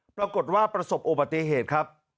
ปรากฏว่าประสบโอบติเหตุครับ